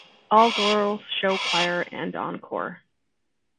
All Girls Show Choir and Encore!